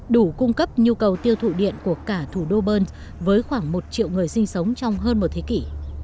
đủ cung cấp nhu cầu tiêu thụ điện của cả thủ đô bern với khoảng một triệu người sinh sống trong hơn một thế kỷ